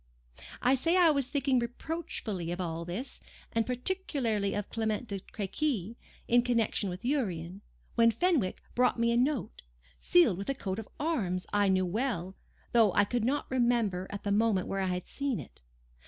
I say I was thinking reproachfully of all this, and particularly of Clement de Crequy in connection with Urian, when Fenwick brought me a note, sealed with a coat of arms I knew well, though I could not remember at the moment where I had seen it.